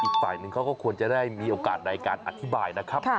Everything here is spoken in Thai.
อีกฝ่ายหนึ่งเขาก็ควรจะได้มีโอกาสในการอธิบายนะครับ